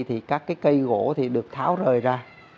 thì các cái cây gỗ thì được tháo rời ra